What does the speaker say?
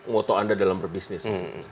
moto anda dalam berbisnis